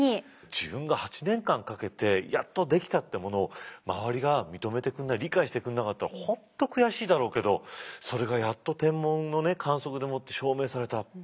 自分が８年間かけてやっとできたってものを周りが認めてくんない理解してくんなかったら本当悔しいだろうけどそれがやっと天文のね観測でもって証明された。